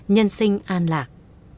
nhân sinh an lạc